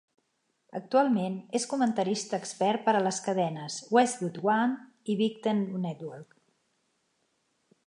Actualment és comentarista expert per a les cadenes Westwood One i Big Ten Network.